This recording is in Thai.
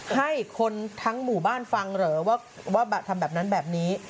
ให้คนทั้งหมู่บ้านฟังเหรอว่าทำแบบนั้นแบบนี้